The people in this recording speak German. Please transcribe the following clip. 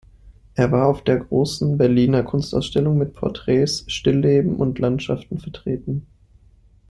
Er war auf der Großen Berliner Kunstausstellung mit Porträts, Stillleben und Landschaften vertreten.